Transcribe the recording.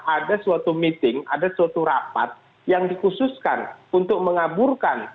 ada suatu meeting ada suatu rapat yang dikhususkan untuk mengaburkan